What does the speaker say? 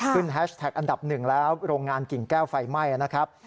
แฮชแท็กอันดับหนึ่งแล้วโรงงานกิ่งแก้วไฟไหม้นะครับ